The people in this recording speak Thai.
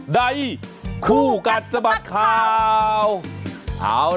ใดคู่กันสมัครข่าว